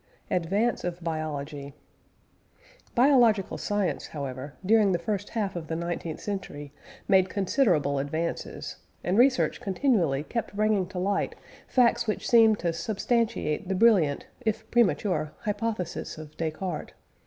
ADVANCE OF BIOLOGY. Biological science, however, during the first half of the nineteenth century made considerable advances, and research continually kept bringing to light facts which seemed to substantiate the brilliant, if premature, hypothesis of Descartes.